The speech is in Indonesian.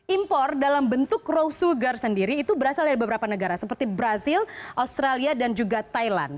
impor dalam bentuk raw sugar sendiri itu berasal dari beberapa negara seperti brazil australia dan juga thailand